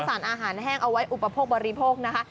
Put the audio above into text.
สารอาหารแห้งเอาไว้อุปโภคบริโภคนะคะ